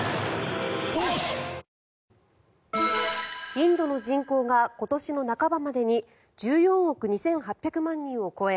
インドの人口が今年の半ばまでに１４億２８００万人を超え